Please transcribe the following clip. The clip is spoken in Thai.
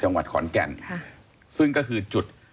จังหวัดขอนแก่นค่ะซึ่งก็คือจุด